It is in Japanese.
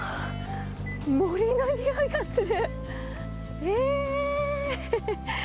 森のにおいがする。